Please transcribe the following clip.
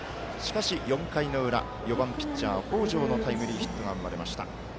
４回の裏、４番ピッチャーの北條のタイムリーヒットが生まれました。